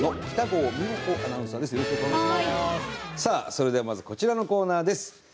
さあそれではまずこちらのコーナーです。